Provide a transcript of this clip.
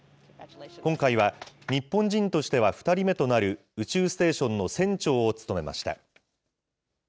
今回は日本人としては２人目となる宇宙ステーションの船長を務めました。